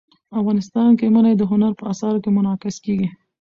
افغانستان کې منی د هنر په اثار کې منعکس کېږي.